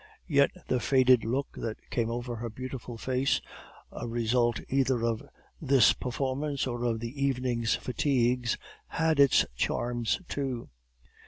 Yet the faded look that came over her beautiful face, a result either of this performance or of the evening's fatigues, had its charms, too.